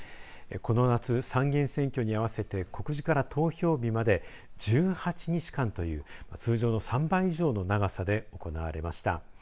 この夏、参議院選挙に合わせて告示から投票日まで１８日間という通常の３倍以上の長さで行われました。